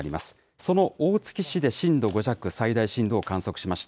その大月市で震度５弱、最大震度を観測しました。